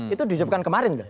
itu di ucapkan kemarin